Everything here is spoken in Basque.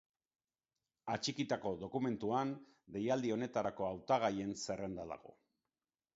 Atxikitako dokumentuan, deialdi honetarako hautagaien zerrenda dago.